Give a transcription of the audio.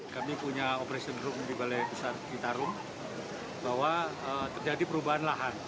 kami punya operation room di balai besar citarum bahwa terjadi perubahan lahan